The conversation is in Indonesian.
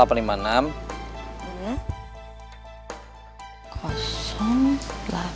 gampang diinget juga